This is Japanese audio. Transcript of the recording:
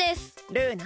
ルーナ。